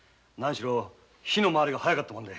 火の回りが早かったもんで。